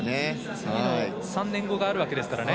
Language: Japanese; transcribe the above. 次の３年後があるわけですからね。